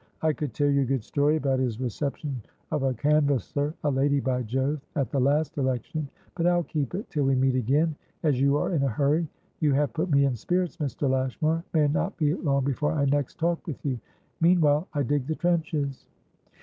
I could tell you a good story about his reception of a canvassera lady, by Jove!at the last election; but I'll keep it till we meet again, as you are in a hurry. You have put me in spirits, Mr. Lashmar; may it not be long before I next talk with you. Meanwhile, I dig the trenches!"